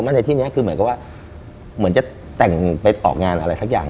ในที่นี้คือแบบเหมือนจะแต่งไปออกงานอะไรสักอย่าง